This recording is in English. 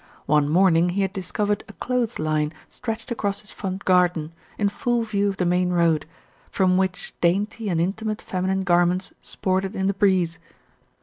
One morning he had discovered a clothes line stretched across his front garden, in full view of the main road, from which dainty and intimate feminine garments sported in the breeze.